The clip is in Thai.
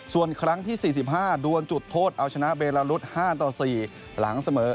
ส่วนครั้งที่๔๕ดวนจุดโทษเอาชนะเบลารุษ๕ต่อ๔หลังเสมอ